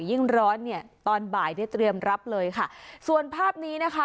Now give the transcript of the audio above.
ยิ่งร้อนเนี่ยตอนบ่ายได้เตรียมรับเลยค่ะส่วนภาพนี้นะคะ